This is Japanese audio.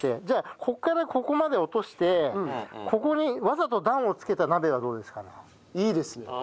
じゃあここからここまで落としてここにわざと段をつけた鍋はどうですかね？